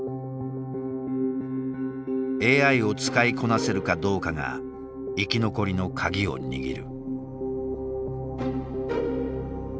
ＡＩを使いこなせるかどうかが生き残りのカギを握る。